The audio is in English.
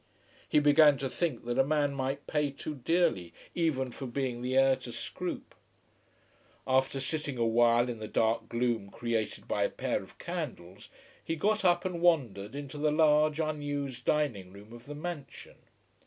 He began to think that a man might pay too dearly even for being the heir to Scroope. After sitting awhile in the dark gloom created by a pair of candles, he got up and wandered into the large unused dining room of the mansion.